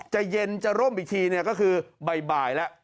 จะเย็นจะร่มอีกทีก็คือบ่ายแล้ว